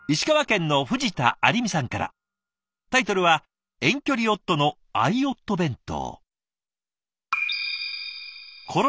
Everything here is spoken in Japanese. タイトルは「遠距離夫の愛夫弁当」。